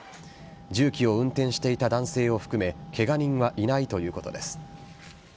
重機を運転していた男性を含めケガ人はいないということです。